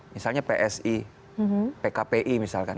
misalnya psi pkpi misalkan